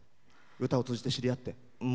歌を通じて知り合って。